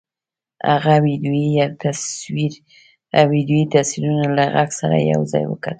هغه ويډيويي تصويرونه له غږ سره يو ځای وکتل.